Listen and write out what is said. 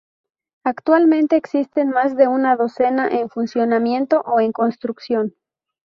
Actualmente existen más de una docena en funcionamiento o en construcción.